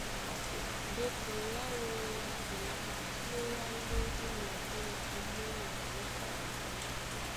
Ndé kuŋgá á wéá e masúéá ndé ó myɔpí na ó múnja mísadi.